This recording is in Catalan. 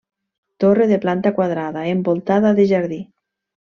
Torre de planta quadrada envoltada de jardí.